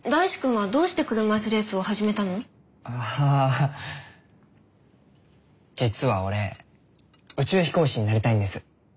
はぁ実は俺宇宙飛行士になりたいんです。